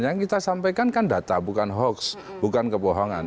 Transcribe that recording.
yang kita sampaikan kan data bukan hoax bukan kebohongan